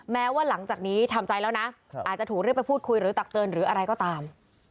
แม้ว่าหลังจากนี้ทำใจแล้วนะอาจจะถูกเรียกไปพูดคุยหรือตักเตือนหรืออะไรก็ตาม